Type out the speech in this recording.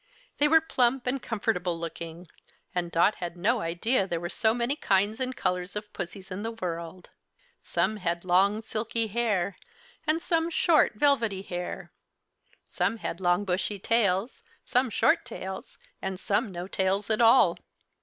They were plump and comfortable looking, and Dot had no idea there were so many kinds and colors of pussys in the world. Some had long, silky hair, and some short, velvety hair; some had long, bushy tails, some short tails and some no tails at all.